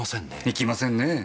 いきませんねぇ。